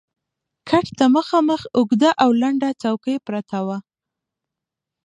کټ ته مخامخ اوږده او لنډه څوکۍ پرته وه.